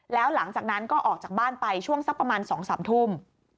แล้วหลังจากนั้นก็ออกจากบ้านไปช่วงสักประมาณ๒๓ทุ่ม